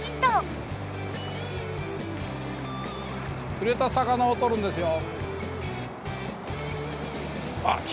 つれた魚をとるんですよ。